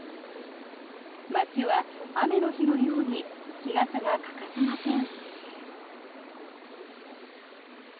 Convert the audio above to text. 街は雨の日のように日傘が欠かせません。